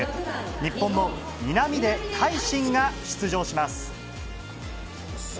日本の南出大伸が出場します。